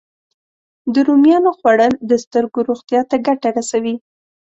د رومیانو خوړل د سترګو روغتیا ته ګټه رسوي